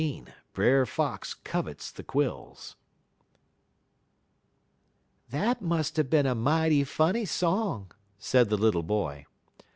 _'" XV BRER FOX COVETS THE QUILLS "That must have been a mighty funny song," said the little boy.